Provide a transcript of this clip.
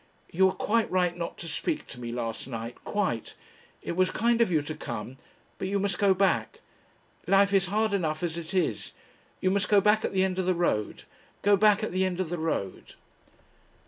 You were quite right not to speak to me last night. Quite. It was kind of you to come, but you must go back. Life is hard enough as it is ... You must go back at the end of the road. Go back at the end of the road